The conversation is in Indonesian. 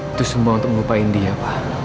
itu semua untuk melupakan dia pak